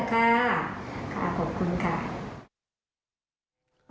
ค่ะขอบคุณค่ะ